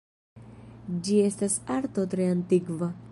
Ĝi estas arto tre antikva.